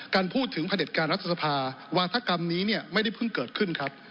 การพูดถึงพระเด็จการรัฐสภาวาธกรรมนี้เนี่ยไม่ได้เพิ่งเกิดขึ้นครับ